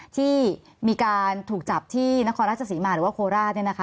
ที่มีการถูกจับที่นครราชศรีมาหรือว่าโคราช